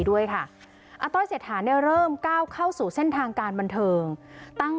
ด้วยค่ะอาต้อยเศรษฐาเนี่ยเริ่มก้าวเข้าสู่เส้นทางการบันเทิงตั้ง